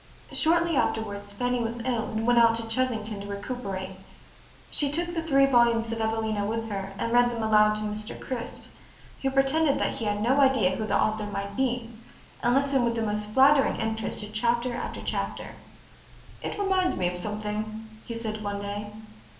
Shortly afterward Fanny was ill and went out to Chesington to recuperate. She took the three volumes of "Evelina" with her, and read them aloud to Mr. Crisp, who pretended that he had no idea who the author might be and listened with the most flattering interest to chapter after chapter. "It reminds me of something," he said one day.